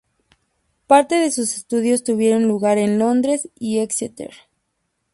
Parte de sus estudios tuvieron lugar en Londres y Exeter.